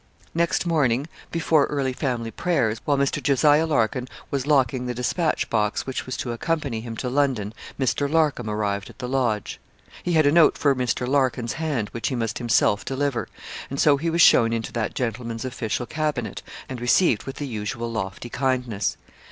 Next morning, before early family prayers, while Mr. Jos. Larkin was locking the despatch box which was to accompany him to London Mr. Larcom arrived at the Lodge. He had a note for Mr. Larkin's hand, which he must himself deliver; and so he was shown into that gentleman's official cabinet, and received with the usual lofty kindness.